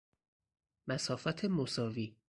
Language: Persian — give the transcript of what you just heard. مسافت مساوی